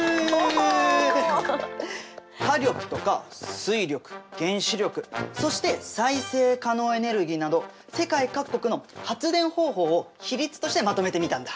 火力とか水力原子力そして再生可能エネルギーなど世界各国の発電方法を比率としてまとめてみたんだ。